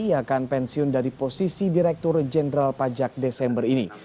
yang akan pensiun dari posisi direktur jenderal pajak desember ini